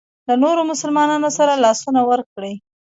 له نورو مسلمانانو سره لاسونه ورکړي.